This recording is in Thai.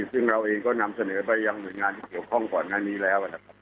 ซึ่งเราเองก็นำเสนอไปยังหน่วยงานที่เกี่ยวข้องก่อนหน้านี้แล้วนะครับ